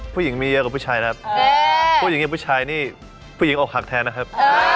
ผู้หญิงมีเยอะกว่าผู้ชายนะครับผู้หญิงอย่างผู้ชายนี่ผู้หญิงอกหักแทนนะครับ